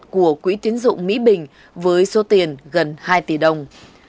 của quỹ tiến dụng mỹ bình với số tiền gần hai tỷ đồng